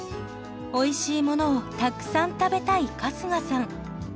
おいしいものをたくさん食べたい春日さん。